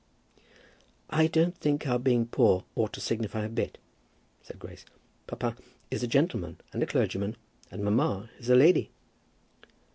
"I don't think our being poor ought to signify a bit," said Grace. "Papa is a gentleman and a clergyman, and mamma is a lady."